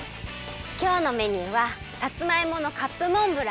きょうのメニューはさつまいものカップモンブランにきまり！